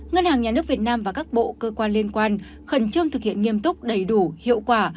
ngân hàng nhà nước việt nam và các bộ cơ quan liên quan khẩn trương thực hiện nghiêm túc đầy đủ hiệu quả